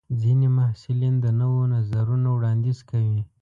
ځینې محصلین د نویو نظرونو وړاندیز کوي.